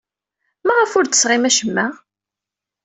Maɣef ur d-tesɣim acemma?